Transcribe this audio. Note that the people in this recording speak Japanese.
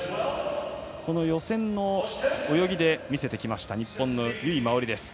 予選の泳ぎで見せてきた日本の由井真緒里。